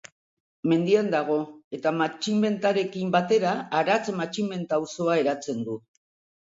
Mendian dago, eta Matxinbentarekin batera Aratz-Matxinbenta auzoa eratzen du.